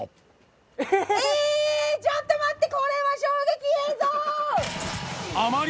繊ちょっと待ってこれは衝撃映像！